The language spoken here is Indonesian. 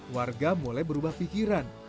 warga mulai berubah pikiran